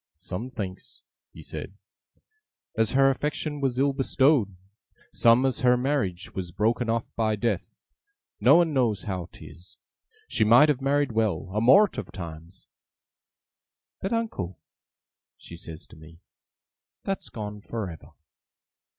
'Some thinks,' he said, 'as her affection was ill bestowed; some, as her marriage was broken off by death. No one knows how 'tis. She might have married well, a mort of times, "but, uncle," she says to me, "that's gone for ever."